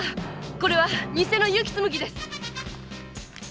これはニセの結城紬です！